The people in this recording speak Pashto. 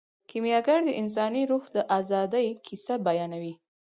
کیمیاګر د انساني روح د ازادۍ کیسه بیانوي.